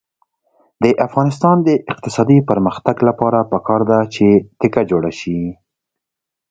د افغانستان د اقتصادي پرمختګ لپاره پکار ده چې تکه جوړه شي.